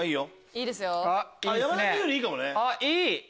いい！